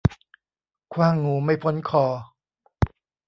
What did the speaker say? ขว้างงูไม่พ้นคอ